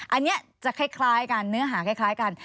อันนี้จะคล้ายกันเนื้อหาคล้ายกัน